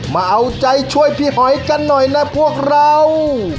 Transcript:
มาเอาใจช่วยพี่หอยกันหน่อยนะพวกเรา